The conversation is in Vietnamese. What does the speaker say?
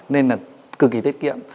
nên là cực kỳ tiết kiệm